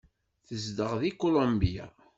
Tezdeɣ deg Kulumbya.